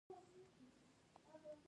د ننګرهار په بټي کوټ کې د سمنټو مواد شته.